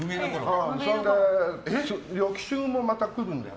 それで、翌週もまた来るんだよ。